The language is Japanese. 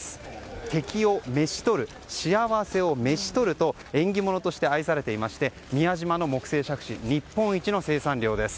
敵をめしとる幸せをめしとると縁起物として愛されていまして宮島の木製杓子日本一の生産量です。